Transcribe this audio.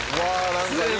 何かいい！